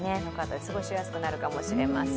過ごしやすくなるかもしれません。